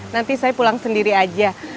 nanti saya pulang sendiri aja